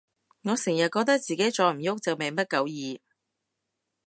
我成日覺得自己再唔郁就命不久矣